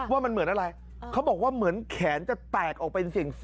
ว่ามันเหมือนอะไรเขาบอกว่าเหมือนแขนจะแตกออกเป็นสิ่ง